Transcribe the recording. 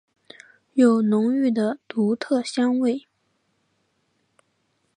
有浓郁的独特香味。